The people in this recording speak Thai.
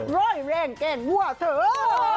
รอยแรงแก่งว่าเถอะ